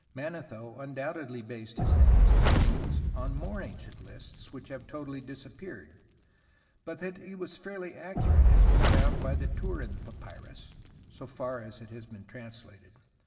Manetho undoubtedly based his names of kings on more ancient lists which have totally disappeared, but that he was fairly accurate is borne out by the Turin papyrus so far as it has been translated.